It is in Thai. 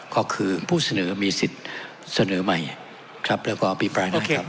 ก็คือผู้เสนอมีสิทธิ์เสนอใหม่ครับแล้วก็อภิปรายได้ครับ